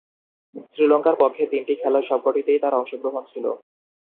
শ্রীলঙ্কার পক্ষে তিন খেলার সবকটিতেই তার অংশগ্রহণ ছিল।